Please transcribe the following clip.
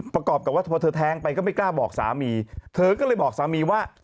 ประกอบกับว่าพอเธอแทงไปก็ไม่กล้าบอกสามีเธอก็เลยบอกสามีว่า